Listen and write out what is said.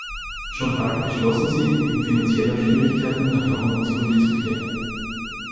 Schon bald beschlossen sie wegen finanzieller Schwierigkeiten nach London zurückzukehren.